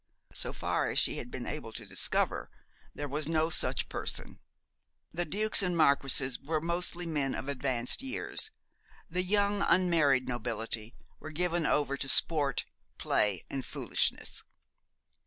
So far as she had been able to discover, there was no such person. The dukes and marquises were mostly men of advanced years. The young unmarried nobility were given over to sport, play, and foolishness.